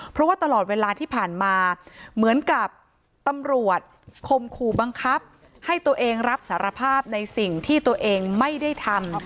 เพราะว่าตลอดเวลาที่ผ่านมาเหมือนกับตำรวจคมขู่บังคับให้ตัวเองรับสารภาพในสิ่งที่ตัวเองไม่ได้ทำ